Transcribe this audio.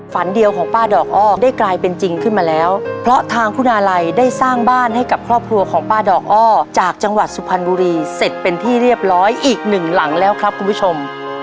ฝันเดียวของป้าดอกอ้อได้กลายเป็นจริงขึ้นมาแล้วเพราะทางคุณอาลัยได้สร้างบ้านให้กับครอบครัวของป้าดอกอ้อจากจังหวัดสุพรรณบุรีเสร็จเป็นที่เรียบร้อยอีกหนึ่งหลังแล้วครับคุณผู้ชม